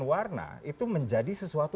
warna itu menjadi sesuatu